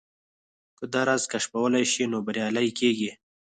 که دا راز کشفولای شئ نو بريالي کېږئ.